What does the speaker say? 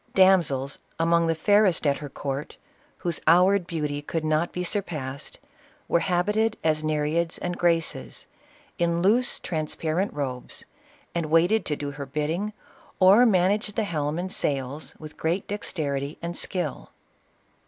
Damsels, among the fairest at her court, whose houried beauty could not be surpassed, were habited as Ne reids and Graces, in loose, transparent robes, and wait ed to do her bidding, or managed the helm and sails with great dexterity and skill.